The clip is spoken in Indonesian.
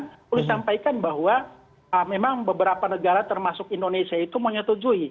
saya ingin menyampaikan bahwa memang beberapa negara termasuk indonesia itu menyetujui